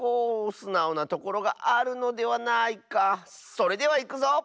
それではいくぞ！